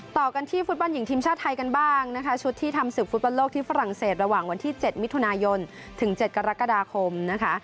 ต่อกันที่ฟุตบอลหญิงทีมชาติไทยกันบ้างนะคะชุดที่ทำศึกฟุตบอลโลกที่ฝรั่งเศสระหว่างวันที่๗มิถุนายนถึง๗กรกฎาคมนะคะ